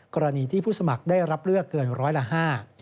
กรณีที่ผู้สมัครได้รับเลือกเกินร้อยละห้า